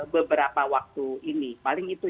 beberapa waktu ini paling itu